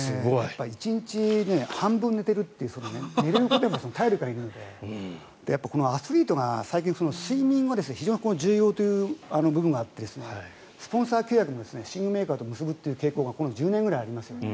１日半分寝ているっていう寝ることにも体力がいるのでアスリートが最近、睡眠は非常に重要という部分があってスポンサー契約を寝具メーカーと結ぶという傾向がこの１０年ぐらいあります。